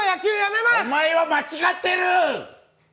お前は間違っている！